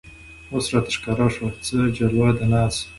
اوس راته ښکاره شوه څه جلوه د ناز